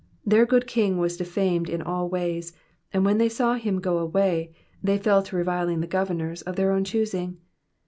Their good king was defamed in all ways, and when they saw him go away, they fell to reviling the governors of their own choosing.